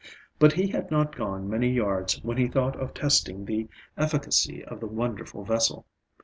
But he had not gone many yards when he thought of testing the efficacy of the wonderful vessel.